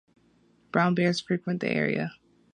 Brown bears frequent the area.